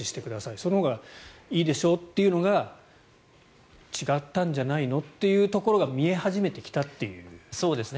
そのほうがいいでしょっていうのが違ったんじゃないの？というのが見え始めてきたということなんですね。